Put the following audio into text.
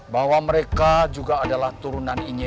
bahwa mereka juga adalah turunan ini